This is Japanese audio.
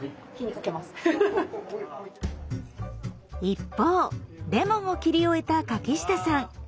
一方レモンを切り終えた柿下さん。